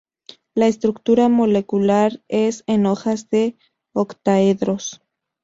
La estructura molecular es en hojas de octaedros.